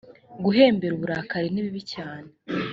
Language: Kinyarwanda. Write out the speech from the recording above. guhembera uburakari ni bibi cyane